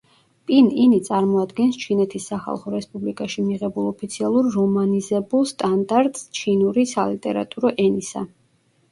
პინ-ინი წარმოადგენს ჩინეთის სახალხო რესპუბლიკაში მიღებულ ოფიციალურ რომანიზებულ სტანდარტს ჩინური სალიტერატურო ენისა.